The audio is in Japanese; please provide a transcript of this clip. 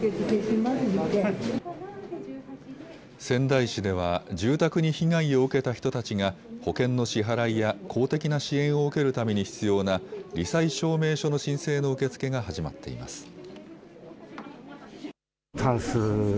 仙台市では住宅に被害を受けた人たちが保険の支払いや公的な支援を受けるために必要なり災証明書の申請の受け付けが始まっています。